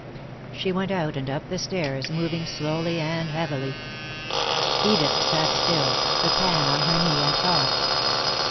She went out and up the stairs, moving slowly and heavily. Edith sat still, the pan on her knee, and thought.